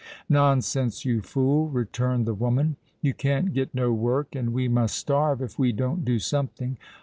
"Nonsense, you fool!" returned the woman. "You can't get no work—and we must starve if we don't do something.